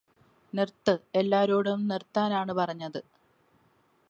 നിർത്ത് എല്ലാവരോടും നിർത്താനാണ് പറഞ്ഞത്